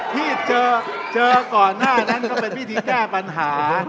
ที่เจอก่อนหน้านั้นก็เป็นพิธีแก้ปัญหา